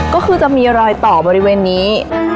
ก็คือจะมีรอยต่อบริเวณนี้